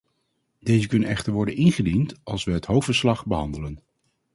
Deze kunnen echter worden ingediend als we het hoofdverslag behandelen.